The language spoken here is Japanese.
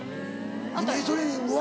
イメージトレーニングは。